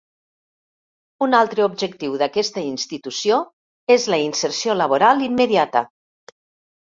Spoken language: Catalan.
Un altre objectiu d'aquesta institució és la inserció laboral immediata.